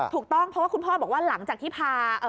ถูกต้องเพราะว่าคุณพ่อบอกว่าหลังจากที่พา